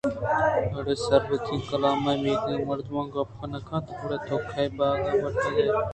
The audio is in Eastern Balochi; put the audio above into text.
اڑے سر بتگ کلام اے میتگ ءِ مردماں گوں گپ نہ کنت گڑا تو کئی باگ ءِ بٹّاگ اِت